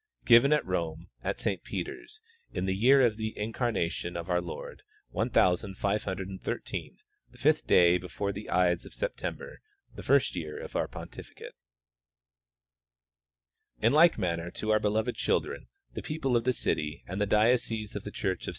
Given at Rome, at St. Peter's, in the year of the incarnation of our Lord one thousand five hundred and thirteen, the fifth day before the ides of September, the first year of our pontificate. 230 W. E. Curtis — Pre Cohunblan, Vatican Documents. In like manner to our beloved children, the people of the city and diocese of the church of S.